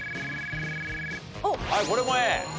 はいこれもＡ。